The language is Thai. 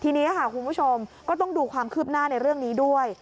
ทีนี้ค่ะคุณผู้ชมก็ต้องดูความคืบหน้าในเรื่องนี้ด้วย